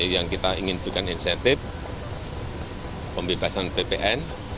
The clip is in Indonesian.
yang kita ingin bukan insentif pembebasan ppn